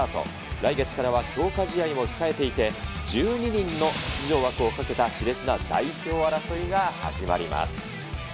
来月からは強化試合も控えていて、１２人の出場枠をかけたしれつな代表争いが始まります。